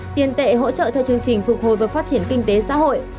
tiền tệ hỗ trợ theo chương trình phục hồi và phát triển kinh tế xã hội